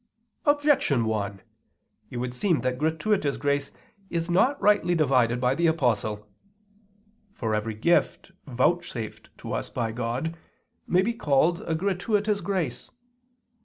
Objection 1: It would seem that gratuitous grace is not rightly divided by the Apostle. For every gift vouchsafed to us by God, may be called a gratuitous grace.